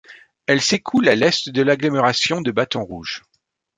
Elle s'écoule à l'Est de l'agglomération de Baton Rouge.